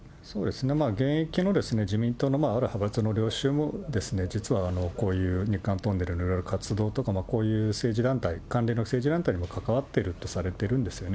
現役の自民党のある派閥の領袖も実はこういう日韓トンネルのいろいろ活動とか、こういう政治団体、関連の政治団体にも関わっているとされてるんですよね。